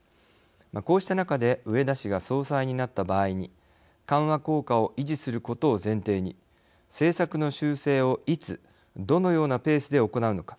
こうした中で植田氏が総裁になった場合に緩和効果を維持することを前提に政策の修正を、いつどのようなペースで行うのか。